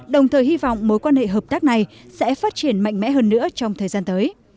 đồng thời hy vọng mối quan hệ hợp tác này sẽ phát triển mạnh mẽ hơn nữa trong thời gian tới